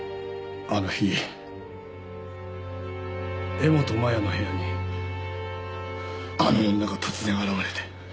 あの日柄本麻耶の部屋にあの女が突然現れて。